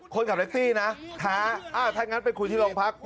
คนขับแท็กซี่นะท้าถ้างั้นไปคุยที่โรงพัก